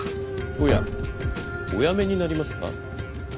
おやおやめになりますか？